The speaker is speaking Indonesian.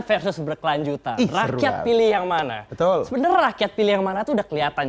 seksus berkelanjutan rakyat pilih yang mana betul sebenarnya rakyat pilih yang mana sudah kelihatan